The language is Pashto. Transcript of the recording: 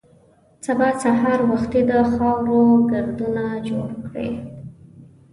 سبا سهار وختي د خاورو ګردونه جوړ کړي.